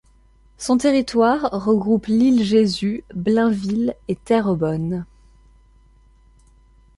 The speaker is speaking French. Son territoire regroupe l'Île Jésus, Blainville et Terrebonne.